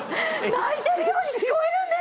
泣いてるように聞こえるんです。